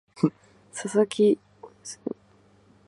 佐々木千隼